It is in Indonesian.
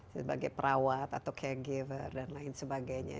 sebagai perawat atau caregiver dan lain sebagainya